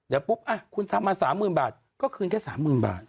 แล้วปุ๊บมาคุณทำมา๓๐๐๐๐บาทก็คืนแค่๓๐๐๐๐บาท